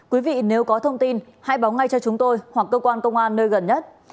quý vị nếu có thông tin hãy báo ngay cho chúng tôi hoặc cơ quan công an nơi gần nhất